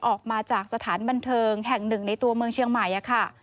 ออกมาจากสถานบันเทิงแห่งหนึ่งในตัวเมืองเชียงใหม่ค่ะ